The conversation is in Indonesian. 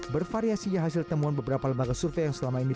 bervariasinya hasil temuan beberapa lembaga survei yang selama ini